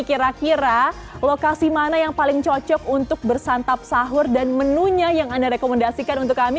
kira kira lokasi mana yang paling cocok untuk bersantap sahur dan menunya yang anda rekomendasikan untuk kami